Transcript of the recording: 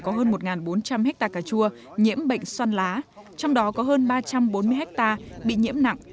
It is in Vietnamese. có hơn một bốn trăm linh hectare cà chua nhiễm bệnh xoăn lá trong đó có hơn ba trăm bốn mươi hectare bị nhiễm nặng